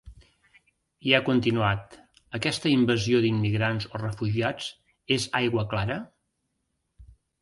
I ha continuat: Aquesta invasió d’immigrants o refugiats és aigua clara?